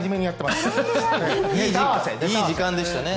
いい時間でしたね。